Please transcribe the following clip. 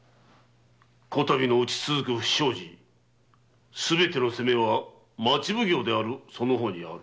今回のうち続く不祥事すべての責めは町奉行であるその方にある。